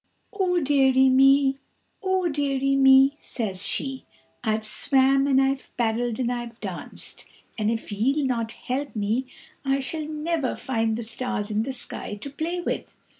"Oh dearie me, oh dearie me," says she, "I've swam and I've paddled and I've danced, and if ye'll not help me I shall never find the stars in the sky to play with."